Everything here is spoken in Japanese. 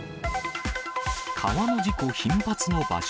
川の事故頻発の場所。